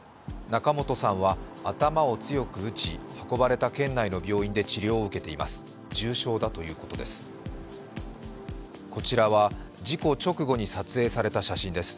仲本さんは頭を強く打ち、運ばれた県内の病院で治療を受けています。